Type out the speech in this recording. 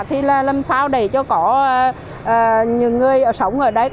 thì làm sao để cho có nhiều người sống ở đây